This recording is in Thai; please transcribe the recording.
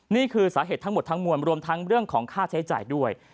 นี่คือสาเหตุทั้งหมดทั้งมวลรวมทั้งเรื่องของค่าใช้จ่ายด้วย